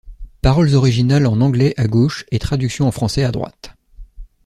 Paroles originales en anglais à gauche et traduction en français à droite.